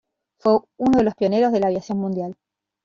Fue uno de los pioneros de la aviación mundial.